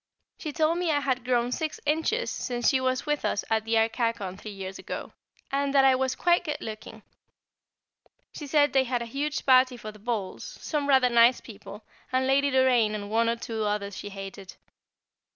She told me I had grown six inches since she was with us at Arcachon three years ago, and that I was quite good looking. She said they had a huge party for the balls, some rather nice people, and Lady Doraine and one or two others she hated.